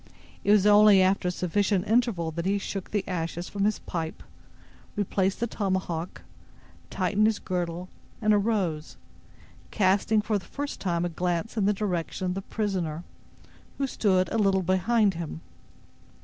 It was only after a sufficient interval that he shook the ashes from his pipe, replaced the tomahawk, tightened his girdle, and arose, casting for the first time a glance in the direction of the prisoner, who stood a little behind him.